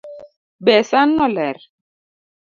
Be San no ler?